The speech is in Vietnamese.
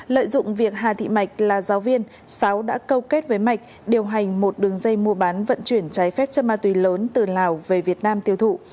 lợi dụng việc hà thị mạch là giáo viên sáu đã câu kết với mạch điều hành một đường dây mua bán vận chuyển trái phép chân ma túy lớn từ lào về việt nam tiêu thụ